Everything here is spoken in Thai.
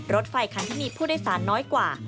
รถไฟคันที่มีผู้โดยสารน้อยกว่า